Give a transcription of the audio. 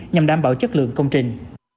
nhằm đảm bảo chất lượng công trình